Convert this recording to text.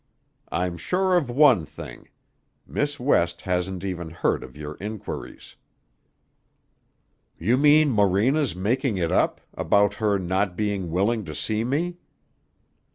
I'm sure of one thing. Miss West hasn't even heard of your inquiries." "You mean Morena's making it up about her not being willing to see me?"